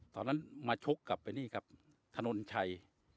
ตอนนั้นมาชกกลับไปนี่ครับถนนชัย